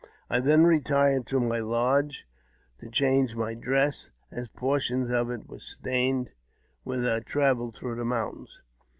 I then retired to my lodge to change my dress, as portions of it were stained with our travel through the mountains.